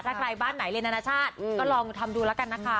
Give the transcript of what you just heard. ถ้าใครบ้านไหนเรียนอนาชาติก็ลองทำดูแล้วกันนะคะ